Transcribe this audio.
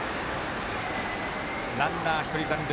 ランナー、１人残塁。